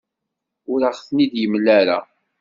Ur aɣ-ten-id-yemla ara.